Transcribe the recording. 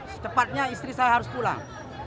secepatnya istri saya harus pulang